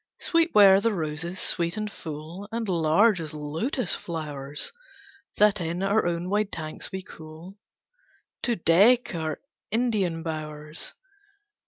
Sweet were the roses, sweet and full, And large as lotus flowers That in our own wide tanks we cull To deck our Indian bowers.